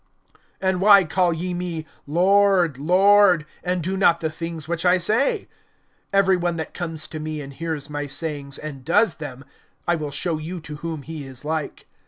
(46)And why call ye me, Lord, Lord, and do not the things which I say? (47)Every one that comes to me, and hears my sayings, and does them, I will show you to whom he is like.